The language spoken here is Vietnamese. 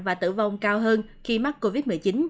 và tử vong cao hơn khi mắc covid một mươi chín